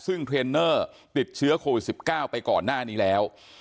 ซึ่งเทรนเนอร์ติดเชื้อโควิด๑๙ไปก่อนหน้านี้แล้ว